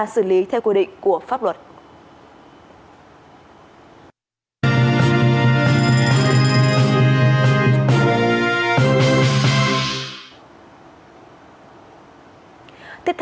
xử lý theo quy định của pháp luật